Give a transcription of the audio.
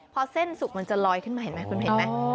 พอเส้นสุกมันจะลอยขึ้นมาเห็นไหมคุณเห็นไหม